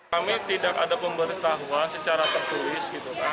kami tidak ada pemberitahuan secara tertulis